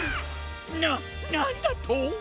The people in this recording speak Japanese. ななんだと！？